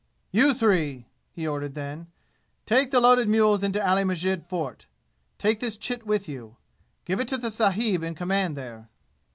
"You three!" he ordered then. "Take the loaded mules into Ali Masjid Fort. Take this chit, you. Give it to the sahib in command there."